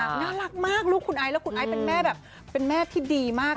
น่ารักมากลูกคุณไอ้แล้วคุณไอ้เป็นแม่ที่ดีมาก